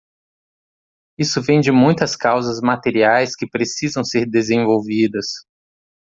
Isso vem de muitas causas materiais que precisam ser desenvolvidas.